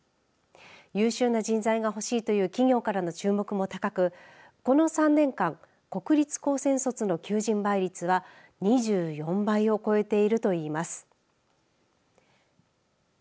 優秀な人材がほしいという企業からの注目も高くこの３年間国立高専卒の求人倍率は２４倍を超えていると言います。